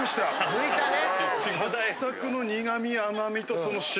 抜いたね。